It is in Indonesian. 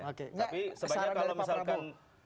tapi sebaiknya kalau misalkan